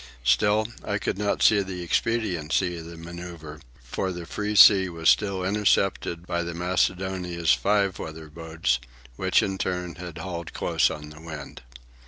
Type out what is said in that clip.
Still, I could not see the expediency of the manœuvre, for the free sea was still intercepted by the Macedonia's five weather boats, which, in turn, had hauled close on the wind.